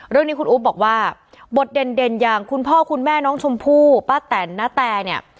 เรื่องนี้คุณอุ๊บบอกว่าบทเด่นอย่างคุณพ่อคุณแม่น้องชมพู่ป้าแตนณแตเนี่ย